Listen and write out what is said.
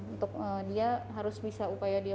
untuk dia harus bisa upaya dia